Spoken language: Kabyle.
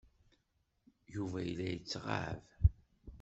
Yuba yella yettɣab.